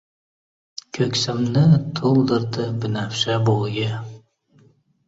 Ko‘ksimni to‘ldirdi binafsha bo‘yi.